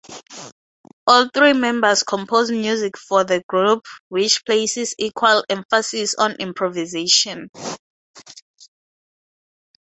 All three members compose music for the group, which places equal emphasis on improvisation.